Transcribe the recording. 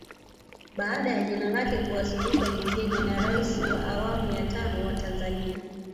Baada ya jina lake kuwasilishwa bungeni na Rais wa awamu ya tano wa Tanzania